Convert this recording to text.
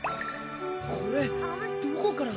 これどこから？